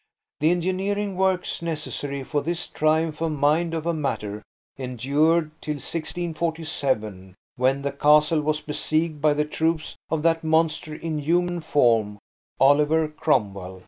The engineering works necessary for this triumph of mind over matter endured till 1647, when the castle was besieged by the troops of that monster in human form Oliver Cromwell.